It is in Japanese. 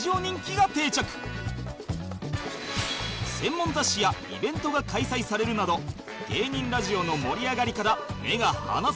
専門雑誌やイベントが開催されるなど芸人ラジオの盛り上がりから目が離せない